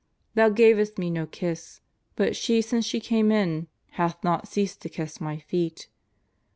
Thou gavest Me no kiss, but she since she came in hath not ceased to kiss My feet.